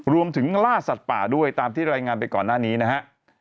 ล่าสัตว์ป่าด้วยตามที่รายงานไปก่อนหน้านี้นะฮะ